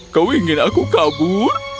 kau ingin aku kabur